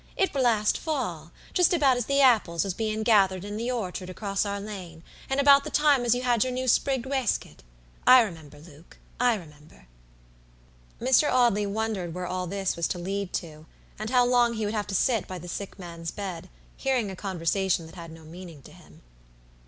It were last fall, just about as the apples was bein' gathered in the orchard across our lane, and about the time as you had your new sprigged wesket. I remember, Luke, I remember." Mr. Audley wondered where all this was to lead to, and how long he would have to sit by the sick man's bed, hearing a conversation that had no meaning to him.